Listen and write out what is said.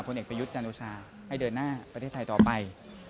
เด็กประยุทธ์จันโอชาให้เดินหน้าประเทศไทยต่อไป